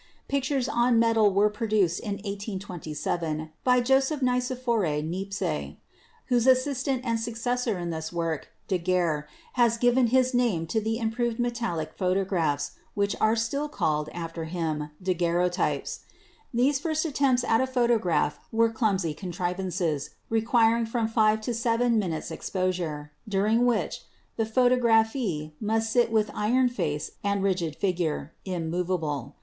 Pictures on metal were produced in 1827 by Joseph Nicephore Niepce, whose assistant and successor in this work, Daguerre, has given his name to the improved metallic photographs which are still called, after him, daguerreotypes. These first efforts at a photo graph were clumsy contrivances, requiring from five to seven minutes' exposure, during which the photographee must sit with iron face and rigid figure, immovable.